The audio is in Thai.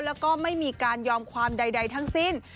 แล้วก็ไม่มีการยอมความใดทั้งสิ้น